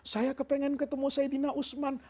saya kepengen ketemu saidina usman